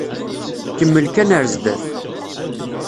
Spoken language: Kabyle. Kemmel kan ar zdat.